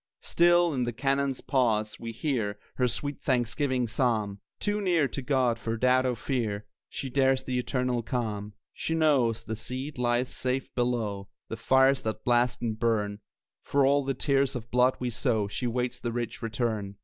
Still, in the cannon's pause, we hear Her sweet thanksgiving psalm; Too near to God for doubt or fear, She shares the eternal calm. She knows the seed lies safe below The fires that blast and burn; For all the tears of blood we sow She waits the rich return.